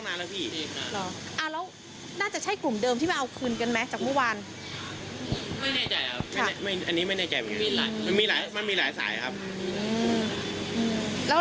ไม่แน่ใจครับมันมีหลายสายครับ